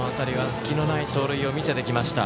隙のない走塁を見せてきました。